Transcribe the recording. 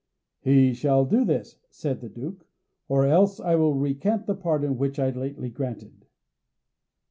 "He shall do this," said the Duke, "or else I will recant the pardon which I lately granted."